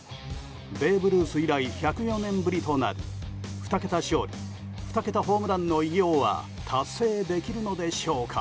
ベーブ・ルース以来１０４年ぶりとなる２桁勝利２桁ホームランの偉業は達成できるのでしょうか。